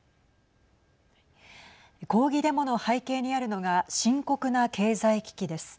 抗議デモの背景にあるのが深刻な経済危機です。